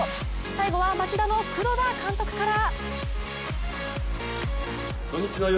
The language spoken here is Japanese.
最後は町田の黒田監督から。